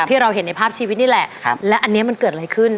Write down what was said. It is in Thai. ที่เราเห็นในภาพชีวิตนี่แหละและอันนี้มันเกิดอะไรขึ้น